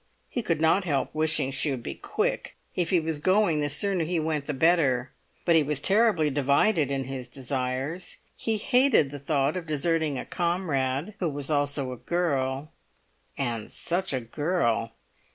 He could not help wishing she would be quick; if he was going, the sooner he went the better, but he was terribly divided in his desires. He hated the thought of deserting a comrade, who was also a girl, and such a girl!